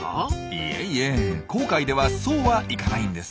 いえいえ紅海ではそうはいかないんですよ。